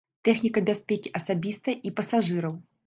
Тэхніка бяспекі асабістая і пасажыраў.